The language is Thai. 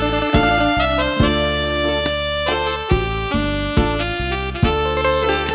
สู้ครับ